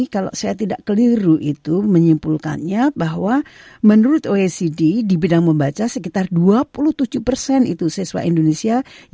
kalau saya tidak keliru itu menyimpulkannya bahwa menurut oecd di bidang membaca sekitar dua puluh tujuh persen itu siswa indonesia